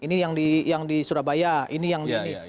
ini yang di surabaya ini yang ini